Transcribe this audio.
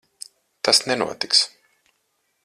Tas nenotiks.